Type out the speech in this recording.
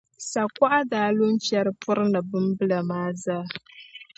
sakuɣa daa lu n-fiɛri puri ni bimbilima zaa.